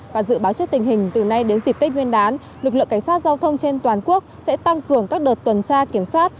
và dự báo trước tình hình từ nay đến dịp tết nguyên đán lực lượng cảnh sát giao thông trên toàn quốc sẽ tăng cường các đợt tuần tra kiểm soát